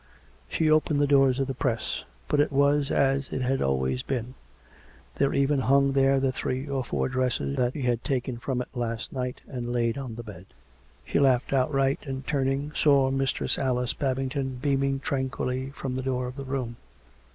She opened the doors of the press, but it was as it had always been: there even hung there the three or four dresses that she had taken from it last night and laid on the bed. She laughed outright, and, turning, saw Mistress Alice Babington beaming tranquilly from the door of the room.